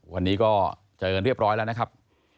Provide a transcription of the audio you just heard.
วันนี้ก็เจอกันเรียบร้อยแล้วนะครับ